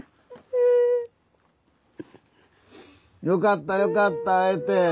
よかったよかった会えて。